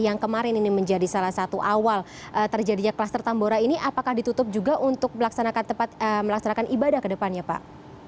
yang kemarin ini menjadi salah satu awal terjadinya kluster tambora ini apakah ditutup juga untuk melaksanakan ibadah ke depannya pak